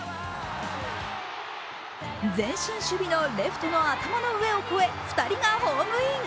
前進守備のレフトの頭の上を越え２人がホームイン。